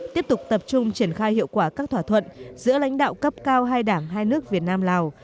tiếp tục tập trung triển khai hiệu quả các thỏa thuận giữa lãnh đạo cấp cao hai đảng hai nước việt nam lào